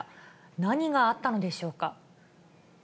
何があったのでしょうか。